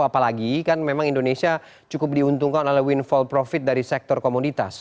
apalagi kan memang indonesia cukup diuntungkan oleh windfall profit dari sektor komoditas